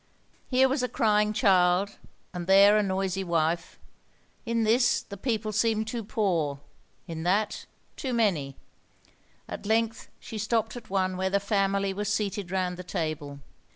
Here was a crying child, and there a noisy wife. In this, the people seemed too poor, in that too many. At length she stopped at one where the family were seated round the table.